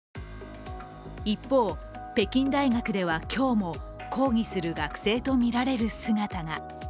一方、北京大学では、今日も抗議する学生と見られる姿が。